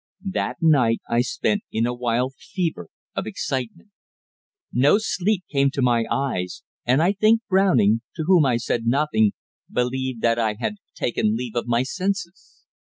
That night I spent in a wild fever of excitement. No sleep came to my eyes, and I think Browning to whom I said nothing believed that I had taken leave of my senses.